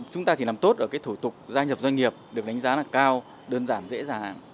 chúng ta chỉ làm tốt ở cái thủ tục gia nhập doanh nghiệp được đánh giá là cao đơn giản dễ dàng